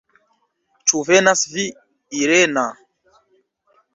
Ĉu venas vi, Irena?